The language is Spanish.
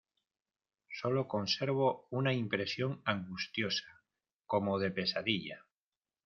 sólo conservo una impresión angustiosa como de pesadilla.